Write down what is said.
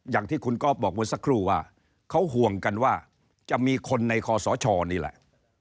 อย่างที่คุณก๊อฟบอกเมื่อสักครู่ว่าเขาห่วงกันว่าจะมีคนในคอสชนี่แหละ